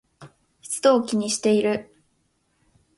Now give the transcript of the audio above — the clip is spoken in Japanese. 湿度を一番気にしている